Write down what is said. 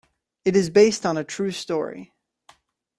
It is based on a true story.